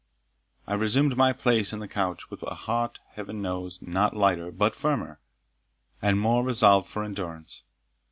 I resumed my place on the couch with a heart, Heaven knows, not lighter but firmer, and more resolved for endurance.